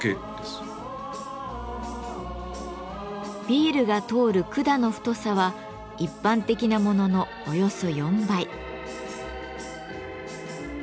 ビールが通る管の太さは一般的なもののおよそ４倍。